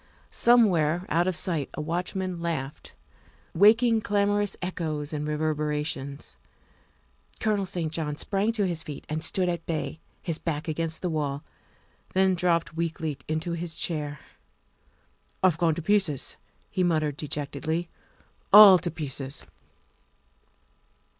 Somewhere out of sight a watchman laughed, waking clamorous echoes and reverberations. Colonel St. John sprang to his feet and stood at bay, his back against the wall, then dropped weakly into his chair. " I've gone to pieces," he muttered dejectedly, " all to pieces."